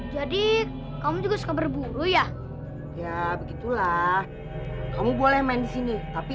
jadi kamu juga suka berburu ya ya begitulah kamu boleh main di sini tapi